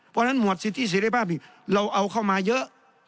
เพราะฉะนั้นหมวดสิทธิเสร็จภาพนี้เราเอาเข้ามาเยอะ